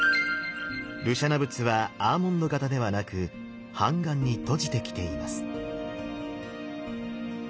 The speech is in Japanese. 盧舎那仏はアーモンド形ではなく半眼に閉じてきています。